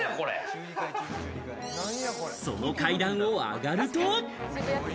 その階段を上がると。